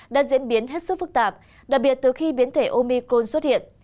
đã diễn biến hết sức phức tạp đặc biệt từ khi biến thể omicron xuất hiện